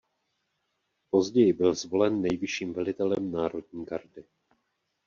Později byl zvolen nejvyšším velitelem Národní gardy.